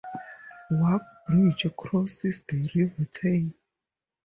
Wark Bridge crosses the River Tyne.